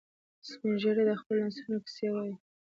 سپین ږیری د خپلو نسلونو کیسې وایي